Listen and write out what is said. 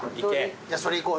じゃあそれいこう。